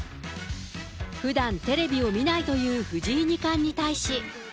ふだん、テレビを見ないという藤井二冠に対し。